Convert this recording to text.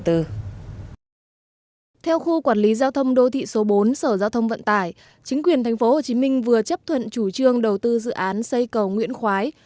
theo khu quản lý giao thông đô thị số bốn sở giao thông vận tải chính quyền thành phố hồ chí minh vừa chấp thuận chủ trương đầu tư dự án xây cầu nguyễn khoái